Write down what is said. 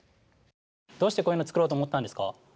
どうしてこういうの作ろうと思ったんですか？